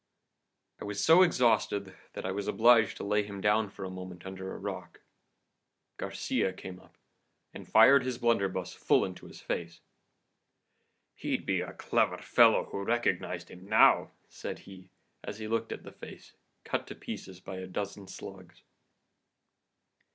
"I was so exhausted that I was obliged to lay him down for a moment under a rock. Garcia came up, and fired his blunderbuss full into his face. 'He'd be a clever fellow who recognised him now!' said he, as he looked at the face, cut to pieces by a dozen slugs.